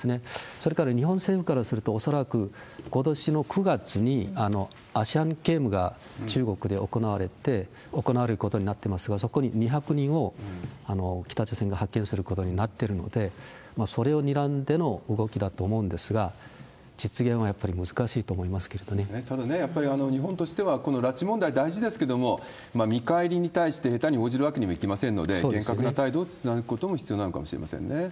それから、日本政府からすると、恐らくことしの９月に、アシャンケームが中国で行われて、行われることになってますが、そこに２００人を、北朝鮮が派遣することになってるので、それをにらんでの動きだと思うんですが、実現はやっぱり難しいと思いますただね、やっぱり日本としてはこの拉致問題大事ですけれども、見返りに対して下手に応じるわけにもいきませんので、厳格な態度を貫くことも必要なのかもしれませんね。